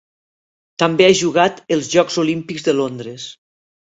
També ha jugat els Jocs Olímpics de Londres.